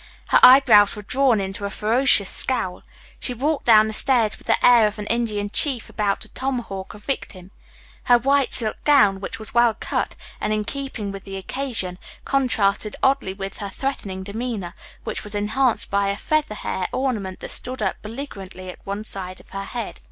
Her eyebrows were drawn into a ferocious scowl. She walked down the stairs with the air of an Indian chief about to tomahawk a victim. Her white silk gown, which was well cut and in keeping with the occasion, contrasted oddly with her threatening demeanor, which was enhanced by a feather hair ornament that stood up belligerently at one side of her head.